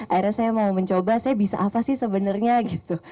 akhirnya saya mau mencoba saya bisa apa sih sebenarnya gitu